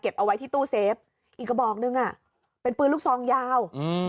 เอาไว้ที่ตู้เซฟอีกกระบอกหนึ่งอ่ะเป็นปืนลูกซองยาวอืม